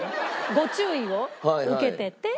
ご注意を受けてて。